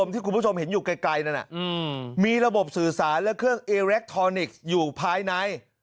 ที่คุณผู้ชมเห็นอยู่ไกลนั่นมีระบบสื่อสารและเครื่องอิเล็กทรอนิกส์อยู่ภายใน